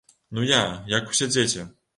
Ну я, як усе дзеці.